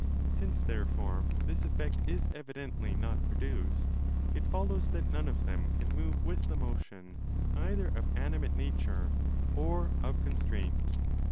Since, therefore, this effect is evidently not produced, it follows that none of them can move with the motion either of animate nature or of constraint.?